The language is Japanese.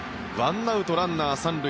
１アウト、ランナー３塁。